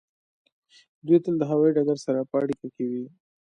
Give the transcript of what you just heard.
دوی تل د هوایی ډګر سره په اړیکه کې وي